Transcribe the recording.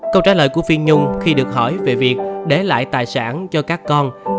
câu trả lời của phi nhung khi được hỏi về việc để lại tài sản cho các con là